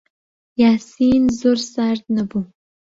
یاسین زۆر سارد نەبوو.